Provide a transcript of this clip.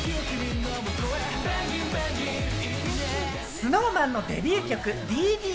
ＳｎｏｗＭａｎのデビュー曲『Ｄ．Ｄ．』。